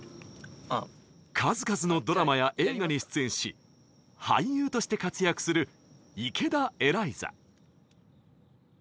数々のドラマや映画に出演し俳優として活躍する池田エライザ。